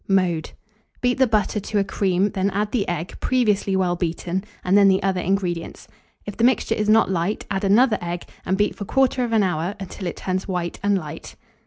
Mode. Beat the butter to a cream; then add the egg, previously well beaten, and then the other ingredients; if the mixture is not light, add another egg, and beat for 1/4 hour, until it turns white and light.